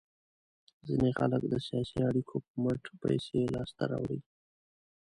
ځینې خلک د سیاسي اړیکو په مټ پیسې لاس ته راوړي.